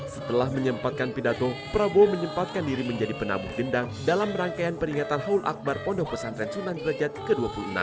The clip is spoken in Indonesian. setelah menyempatkan pidato prabowo menyempatkan diri menjadi penabuh dendang dalam rangkaian peringatan haul akbar pondok pesantren sunan derajat ke dua puluh enam